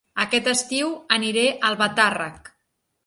Aquest estiu aniré a Albatàrrec